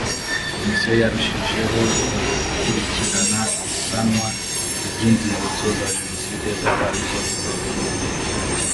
komisiyo yarushijeho gukurikirana isanwa ry inzibutso za jenoside zaba izo ku rwego rw igihugu